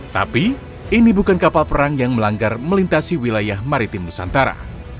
tapi ini bukan kapal perang yang melanggar melintasi wilayah maritim nusantara